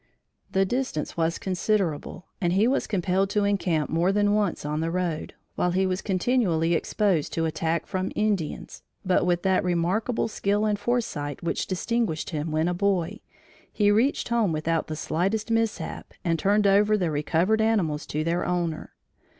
The distance was considerable and he was compelled to encamp more than once on the road, while he was continually exposed to attack from Indians, but with that remarkable skill and foresight which distinguished him when a boy, he reached home without the slightest mishap and turned over the recovered animals to their owner.